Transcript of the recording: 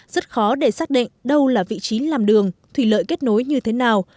rất khó để xác định đâu là vị trí làm đường thủy lợi kết nối như thế nào